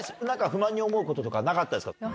なんか不満に思うこととかなかったですか。